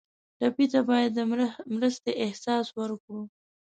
ټپي ته باید د مرستې احساس ورکړو.